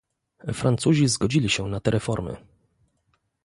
Francuzi zgodzili się na te reformy